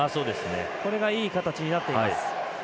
これがいい形になっています。